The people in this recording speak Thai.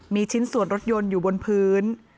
มีชิ้นส่วนรถยนต์อยู่บนพื้น